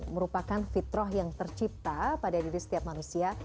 merupakan fitrah yang tercipta pada diri setiap manusia